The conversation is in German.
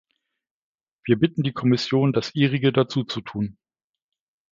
Wir bitten die Kommission das Ihrige dazu zu tun.